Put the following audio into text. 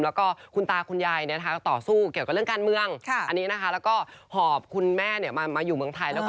แล้วก็คุณตาคุณยายต่อสู้เกี่ยวกับเรื่องการเมือง